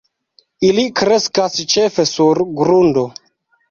Ili kreskas ĉefe sur grundo.